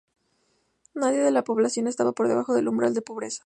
Nadie de la población estaba por debajo del umbral de pobreza.